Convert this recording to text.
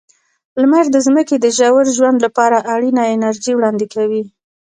لمر د ځمکې د ژور ژوند لپاره اړینه انرژي وړاندې کوي.